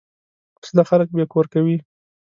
وسله خلک بېکور کوي